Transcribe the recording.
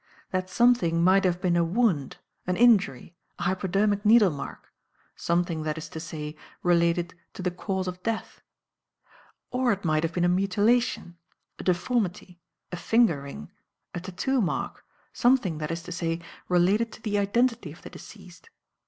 That something might have been a wound, an injury, a hypodermic needle mark; something, that is to say, related to the cause of death; or it might have been a mutilation, a deformity, a finger ring, a tattoo mark; something, that is to say, related to the identity of the deceased.